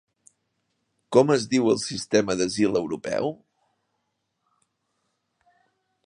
Com es diu el sistema d'asil europeu?